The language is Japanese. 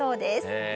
へえ。